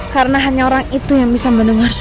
karena hanya orang itu yang bisa mendengar suara